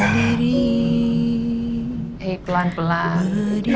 terima kasih iya